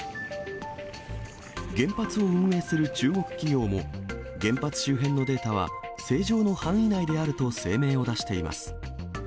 原発を運営する中国企業も、原発周辺のデータは正常の範囲内であると声明を出しています。